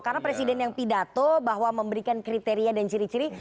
karena presiden yang pidato bahwa memberikan kriteria dan ciri ciri